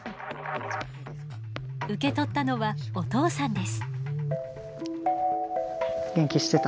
受け取ったのはお父さんです。